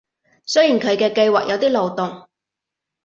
雖然佢嘅計畫有啲漏洞